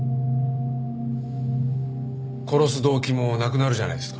殺す動機もなくなるじゃないですか。